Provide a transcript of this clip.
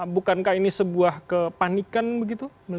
bukankah ini sebuah kepanikan begitu